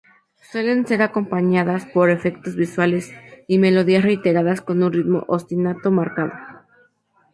Suelen estar acompañadas por efectos visuales y melodías reiteradas con un ritmo ostinato marcado.